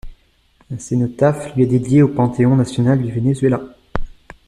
Un cénotaphe lui est dédié au Panthéon national du Venezuela.